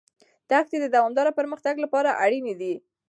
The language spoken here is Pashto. دښتې د دوامداره پرمختګ لپاره اړینې دي.